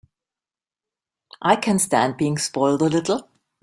I can stand being spoiled a little.